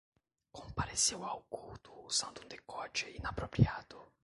Compareceu ao culto usando um decote inapropriado